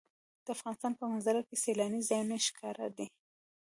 د افغانستان په منظره کې سیلاني ځایونه ښکاره دي.